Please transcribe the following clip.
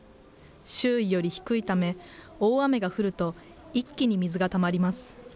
周囲より低いため、大雨が降ると、一気に水がたまります。